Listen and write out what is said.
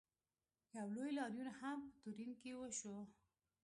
یو لوی لاریون هم په تورین کې وشو.